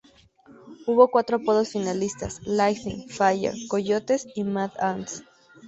Hubo cuatro apodos finalistas: "Lightning", "Fire", "Coyotes" y "Mad Ants".